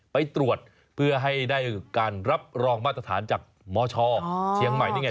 ไปตรวจเพื่อให้ได้การรับรองมาตรฐานจากมชเชียงใหม่นี่ไง